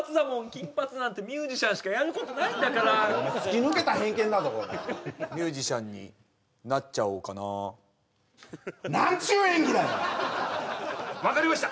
金髪なんてミュージシャンしかやることないんだから突き抜けた偏見だぞこれミュージシャンになっちゃおうかな何ちゅう演技だよ分かりました